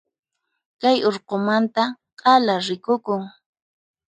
Kay urqumanta k'ala rikukun.